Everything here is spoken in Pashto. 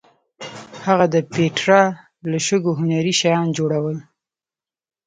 هغه د پېټرا له شګو هنري شیان جوړول.